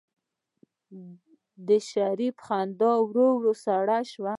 د شريف خندا ورو سړه شوه.